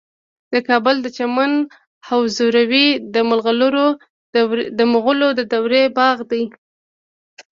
د کابل د چمن حضوري د مغلو دورې باغ دی